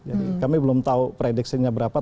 jadi kami belum tahu prediksinya berapa